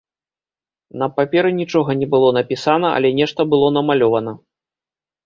На паперы нічога не было напісана, але нешта было намалёвана.